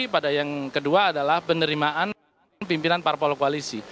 pada yang kedua adalah penerimaan pimpinan parpol koalisi